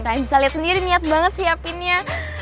kayak bisa lihat sendiri niat banget siapinnya